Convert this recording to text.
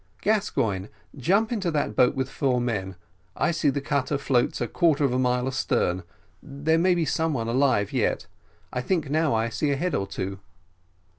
"Gascoigne, jump into the boat with four men I see the cutter floats a quarter of a mile astern: there may be some one alive yet. I think now I see a head or two."